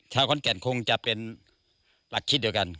ขอนแก่นคงจะเป็นหลักคิดเดียวกัน